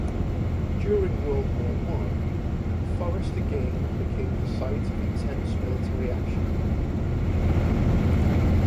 During World War One, the forest again became the site of intense military action.